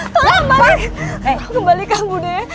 tolong kembalikan muda